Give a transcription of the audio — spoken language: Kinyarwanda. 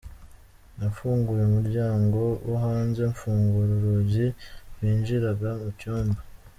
Nafunguye umuryango wo hanze, mfungura urugi rwinjiraga mu cyumba.